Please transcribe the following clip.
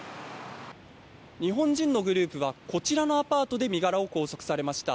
日本人のグループはこちらのアパートで身柄を拘束されました。